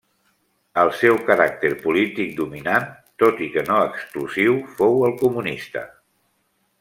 El seu caràcter polític dominant, tot i que no exclusiu, fou el comunista.